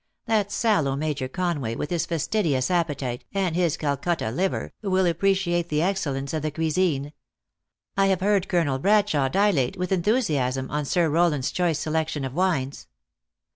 That sallow Major Con way, with his fastidious appetite, and his Calcutta liver, will ap preciate the excellence of the cuisine. I have heard Col en el Bradshawe dilate, with enthusiasm, on Sir Rowland s choice selection of wines.